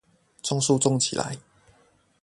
種樹種起來